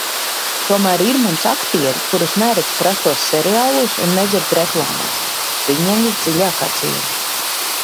Tomēr ir mums aktieri, kurus neredz prastos seriālos un nedzird reklāmās. Viņiem visdziļākā cieņa.